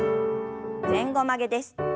前後曲げです。